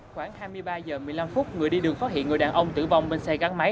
khoảng hai mươi ba h một mươi năm phút người đi đường phát hiện người đàn ông tử vong bên xe gắn máy